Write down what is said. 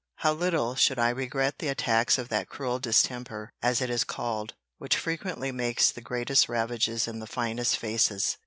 —How little should I regret the attacks of that cruel distemper, as it is called, which frequently makes the greatest ravages in the finest faces!